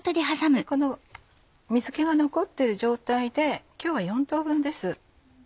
この水気が残ってる状態で今日は４等分です。